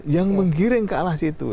yang menggiring ke alas itu